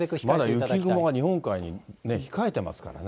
まだ雪雲が日本海に控えていますからね。